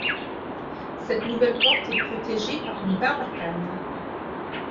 Cette nouvelle porte est protégée par une barbacane.